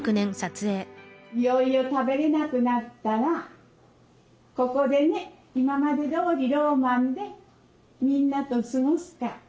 いよいよ食べれなくなったらここでね今までどおりローマンでみんなと過ごすか